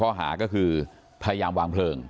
ครูจะฆ่าแม่ไม่รักตัวเอง